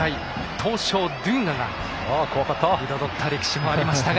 闘将ドゥンガが彩った歴史もありますが。